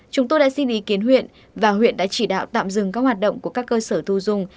chúng tôi đã xin ý kiến huyện và huyện đã chỉ đạo tạm dừng các hoạt động của các cơ sở thu dung